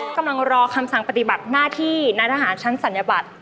กำลังรอคำสั่งปฏิบัติหน้าที่นายทหารชั้นศัลยบัตร